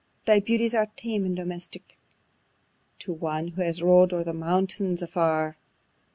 thy beauties are tame and domestic, To one who has rov'd on the mountains afar: Oh!